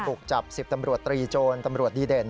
บุกจับ๑๐ตำรวจตรีโจรตำรวจดีเด่น